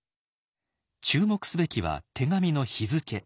注目すべきは手紙の日付。